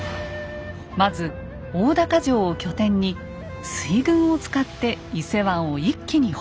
まず大高城を拠点に水軍を使って伊勢湾を一気に北上。